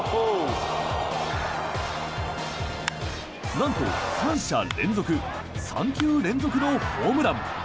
なんと３者連続３球連続のホームラン。